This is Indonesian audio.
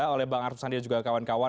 oleh bang arsul sandi dan juga kawan kawan